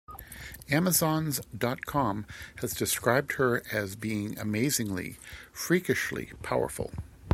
AmazOns dot com has described her as being amazingly, freakishly powerful.